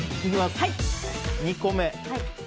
２個目。